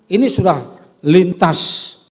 ini sudah lintas